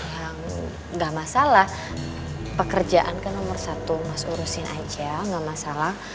ya enggak masalah pekerjaan kan nomor satu mas urusin aja enggak masalah